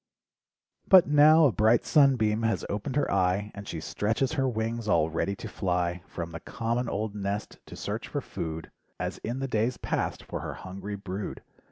But now a bright sunbeam has opened her eye And she stretches her wings all ready to fly From the common old nest to search for food, As in the days past, for her hungry brood.